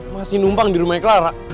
masih numpang di rumahnya clara